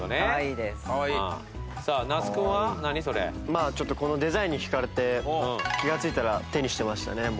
まあちょっとこのデザインに引かれて気がついたら手にしてましたね。